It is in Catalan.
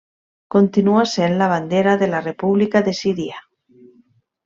Continua sent la bandera de la República de Síria.